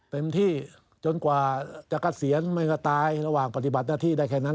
เต็มที่จนกว่าจะเกษียณมันก็ตายระหว่างปฏิบัติหน้าที่ได้แค่นั้น